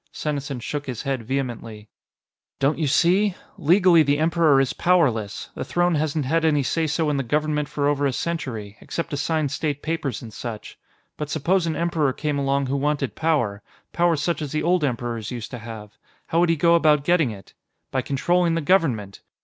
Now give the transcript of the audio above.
Senesin shook his head vehemently. "Don't you see? Legally, the Emperor is powerless; the Throne hasn't had any say so in the Government for over a century except to sign state papers and such. But suppose an Emperor came along who wanted power power such as the old Emperors used to have. How would he go about getting it? By controlling the Government!